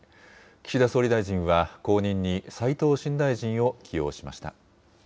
岸田総理大臣は後任に齋藤新大臣を起用しました。